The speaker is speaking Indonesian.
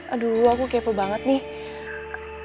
aduh aku kepo banget nih